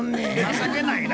情けないな。